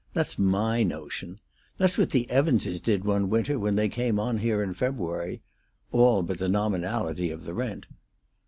That's my notion. That's what the Evanses did one winter when they came on here in February. All but the nominality of the rent."